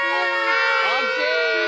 オッケー！